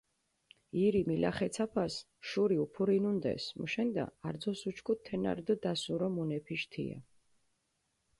ირი მილახეცაფას შური უფურინუნდეს, მუშენდა არძოს უჩქუდჷ, თენა რდჷ დასურო მუნეფიშ თია.